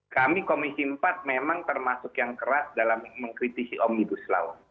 kami komisi empat memang termasuk yang keras dalam mengkritisi omnibus law